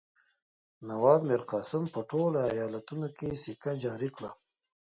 نواب میرقاسم په ټولو ایالتونو کې سکه جاري کړه.